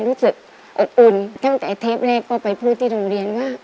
รู้สึกอบอุ่นตั้งแต่เทปแรกก็ไปพูดที่โรงเรียนว่า